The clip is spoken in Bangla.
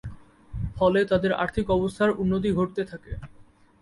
ফলে তাদের আর্থিক অবস্থার উন্নতি ঘটতে থাকে।